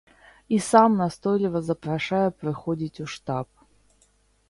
І сам настойліва запрашае прыходзіць у штаб.